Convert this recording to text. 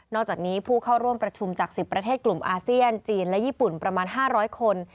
อกจากนี้ผู้เข้าร่วมประชุมจาก๑๐ประเทศกลุ่มอาเซียนจีนและญี่ปุ่นประมาณ๕๐๐คน